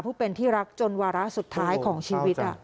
ผู้เป็นที่รักจนวาระสุดท้ายของชีวิต